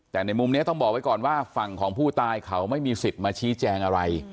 แต่ในมุมนี้ต้องบอกไว้ก่อนว่าฝั่งของผู้ตายเขาไม่มีสิทธิ์มาชี้แจงอะไร